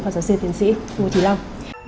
phó tổng sĩ tiến sĩ ngô thí long